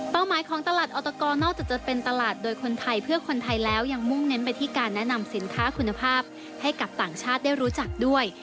หมายของตลาดออตกรนอกจากจะเป็นตลาดโดยคนไทยเพื่อคนไทยแล้วยังมุ่งเน้นไปที่การแนะนำสินค้าคุณภาพให้กับต่างชาติได้รู้จักด้วย